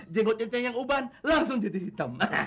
jenggot cek yang uban langsung jadi hitam